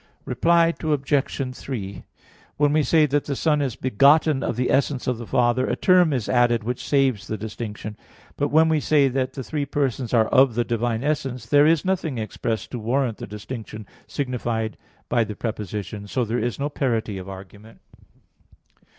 Reply Obj. 3: When we say that the Son is begotten of the essence of the Father, a term is added which saves the distinction. But when we say that the three persons are 'of' the divine essence, there is nothing expressed to warrant the distinction signified by the preposition, so there is no parity of argument.